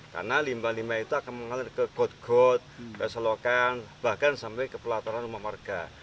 karena limbah limbah itu akan mengalir ke got got beselokan bahkan sampai ke pelataran rumah warga